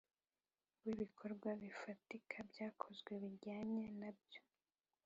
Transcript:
w ibikorwa bifatika byakozwe bijyanye nabyo